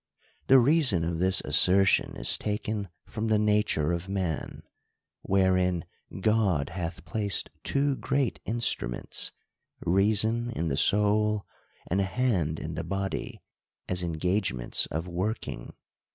The reason of this assertion is taken from the nature of man ; wherein God hath placed two great instruments, reason in the soul, and a hand in the body, as engagements of working.